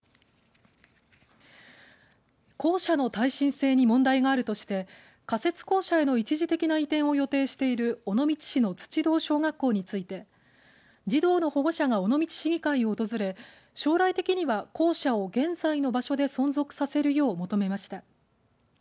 校舎の耐震性に問題があるとして仮設校舎への一時的な移転を予定している尾道市の土堂小学校について児童の保護者が尾道市議会を訪れ将来的には校舎を現在の場所で存続させるよう求めました。